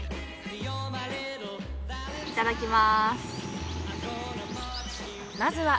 いただきます。